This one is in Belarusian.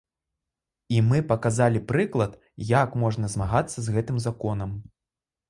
І мы паказалі прыклад, як можна змагацца з гэтым законам.